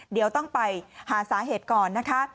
เดี๋ยวต้องไปหาสาเหตุก่อนนะคะ